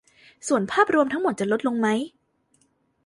ส่วนภาพรวมทั้งหมดจะลดลงไหม